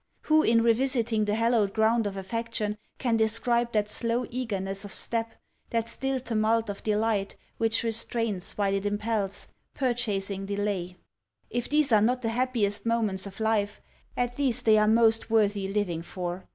Who, in revisiting the hallowed ground of affection, can describe that slow eagerness of step, that still tumult of delight, which restrains while it impels, purchasing delay? If these are not the happiest moments of life, at least, they are most worthy living for.